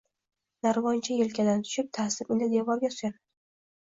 Narvoncha elkadan tushib, ta`zim ila devorga suyandi